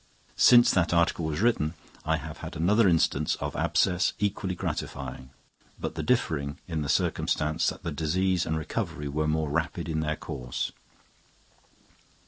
Since that article was written I have had another instance of abscess equally gratifying, but the differing in the circumstance that the disease and the recovery were more rapid in their course.